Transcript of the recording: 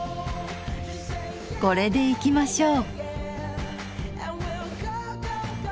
これでいきましょう。